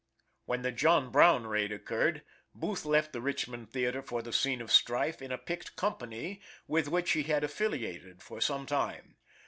When the John Brown raid occured, Booth left the Richmond Theater for the scene of strife in a picked company with which he had affiliated for some time.